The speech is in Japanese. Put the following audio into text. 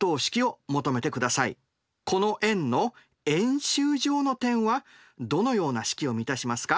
この円の円周上の点はどのような式を満たしますか？